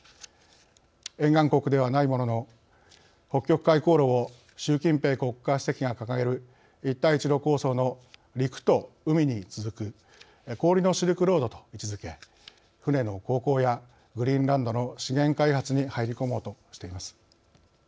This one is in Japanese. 沿岸国ではないものの北極海航路を習近平国家主席が掲げる一帯一路構想の陸と海に続く氷のシルクロードと位置づけ船の航行やグリーンランドの資源開発に入り込もうとしています。